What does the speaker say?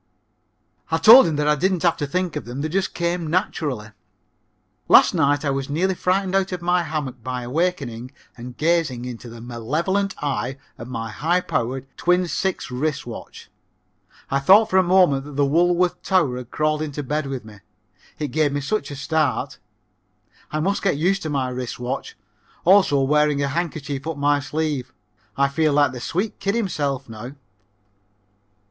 I told him that I didn't have to think of them, they just came naturally. Last night I was nearly frightened out of my hammock by awakening and gazing into the malevolent eye of my high powered, twin six wrist watch. I thought for a moment that the Woolworth tower had crawled into bed with me. It gave me such a start. I must get used to my wrist watch also wearing a handkerchief up my sleeve. I feel like the sweet kid himself now.